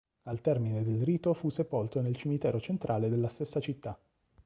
Al termine del rito fu sepolto nel cimitero centrale della stessa città.